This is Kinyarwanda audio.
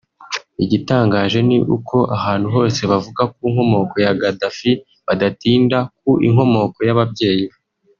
Igitangaje ni uko ahantu hose bavuga ku nkomoko ya Gaddafi badatinda ku inkomoko y’ababyeyi be